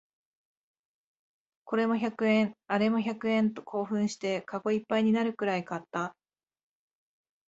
これも百円、あれも百円と興奮してカゴいっぱいになるくらい買った